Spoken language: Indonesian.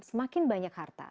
semakin banyak harta